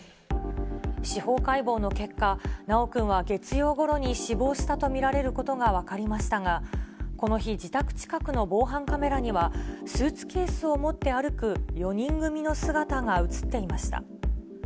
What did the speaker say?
司法解剖の結果、修くんは月曜ごろに死亡したと見られることが分かりましたが、この日、自宅近くの防犯カメラには、スーツケースを持って歩く４人組の姿が写っていました。